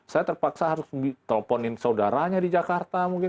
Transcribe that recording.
saya terpaksa harus teleponin saudaranya di jakarta mungkin